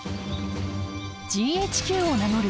ＧＨＱを名乗る